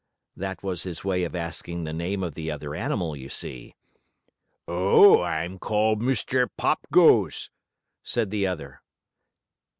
That was his way of asking the name of the other animal, you see. "Oh, I'm called Mr. Pop Goes," said the other.